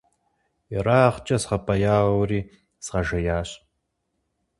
Ерагъкӏэ згъэбэяури згъэжеящ.